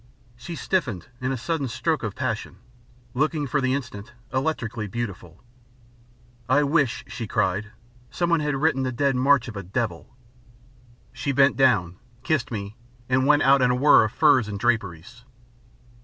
She stiffened in a sudden stroke of passion, looking, for the instant, electrically beautiful. "I wish," she cried, "someone had written the Dead March of a Devil." She bent down, kissed me, and went out in a whirr of furs and draperies.